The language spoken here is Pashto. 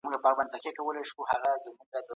پښتو ته په جدي توګه کار وکړه.